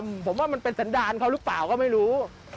ผมว่ามันเป็นสันดาลเขาหรือเปล่าก็ไม่รู้